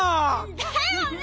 だよね！